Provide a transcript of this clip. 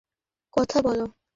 ইনস্পেক্টরের সাথে কথা বলো।